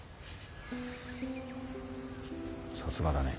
さすがだね。